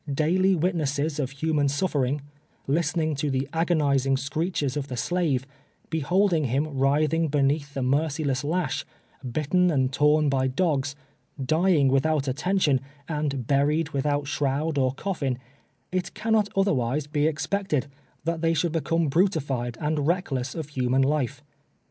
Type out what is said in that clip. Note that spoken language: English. Daily witnesses of human suflering — listening to the agonizing screeches of the slave — beholding him writhing beneath the merciless lash — bitten and torn by dogs — dying without attention, and buried without shroud or cofiin — it cannot otherwise be expected, than that they should become brutified and reckless of human life.